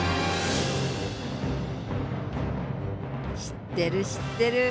知ってる知ってる。